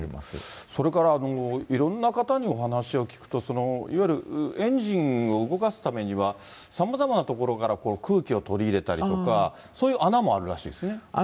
それからいろんな方にお話を聞くと、いわゆるエンジンを動かすためには、さまざまな所から空気を取り入れたりとか、そういう穴もあるらしいですね？